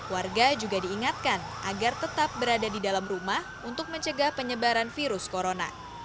warga juga diingatkan agar tetap berada di dalam rumah untuk mencegah penyebaran virus corona